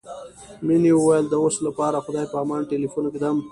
مينې وويل د اوس لپاره خدای په امان ټليفون ږدم.